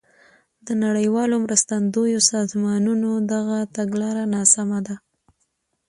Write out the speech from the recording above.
د نړیوالو مرستندویو سازمانونو دغه تګلاره ناسمه ده.